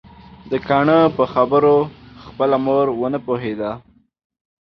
د کاڼه په خبرو خپله مور ونه پوهيده